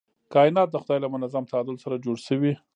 کائنات د خدای له منظم تعادل سره جوړ شوي.